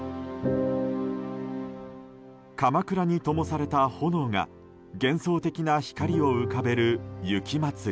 かまくらにともされた炎が幻想的な光を浮かべる雪まつり。